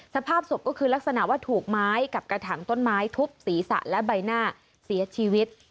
สภาพศพก็คือลักษณะว่าถูกไม้กับกระถางต้นไม้ทุบศีรษะและใบหน้าเสียชีวิต